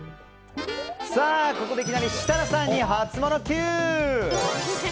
ここでいきなり設楽さんにハツモノＱ！